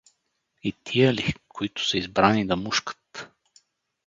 И тия ли, които са избрани да мушкат?